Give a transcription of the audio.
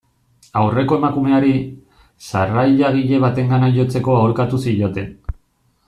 Aurreko emakumeari, sarrailagile batengana jotzeko aholkatu zioten.